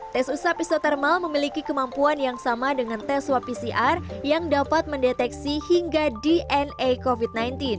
tes usap isotermal memiliki kemampuan yang sama dengan tes swab pcr yang dapat mendeteksi hingga dna covid sembilan belas